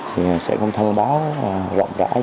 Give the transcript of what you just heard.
thì sẽ thông báo rộng rãi